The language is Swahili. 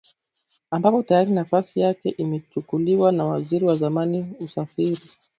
ambapo tayari nafasi yake imechukuliwa na waziri wa zamani usafiri